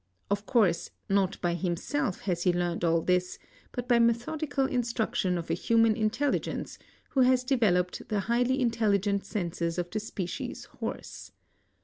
Of course, not by himself has he learned all this, but' by methodical Instruction of a human Intelligence, who has developed the highly Intelligont senses of the species horse.